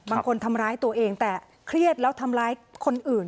ทำร้ายตัวเองแต่เครียดแล้วทำร้ายคนอื่น